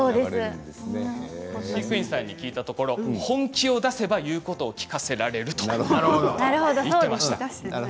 飼育員さんに聞いたところ本気を出せば聞かせられるということでした。